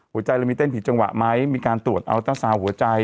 เรามีเต้นผิดจังหวะไหมมีการตรวจอัลเตอร์ซาวน์หัวใจ